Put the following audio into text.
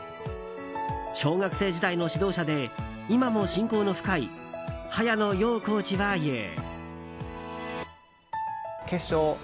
小学生時代の指導者で今も親交の深い早野陽コーチは言う。